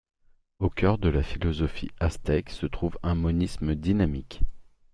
Au cœur de la philosophie aztèque se trouve un monisme dynamique.